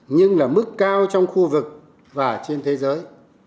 nhưng là mức cao trong khu vực và trên thế giới